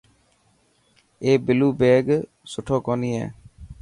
اي بلو بيگ سٺو ڪوني هي.